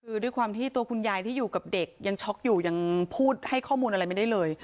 คือด้วยความที่ตัวคุณยายที่อยู่กับเด็กยังช็อกอยู่ยังพูดให้ข้อมูลอะไรไม่ได้เลย